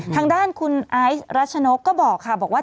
ทางด้านคุณอายฤชนกต้องก็บอกว่า